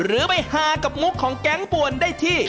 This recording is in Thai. หรือไปฮากับมุกของแก๊งป่วนได้ที่